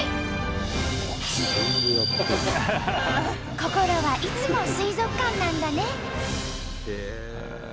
心はいつも水族館なんだね！